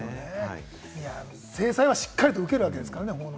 制裁はしっかりと受けるわけですからね。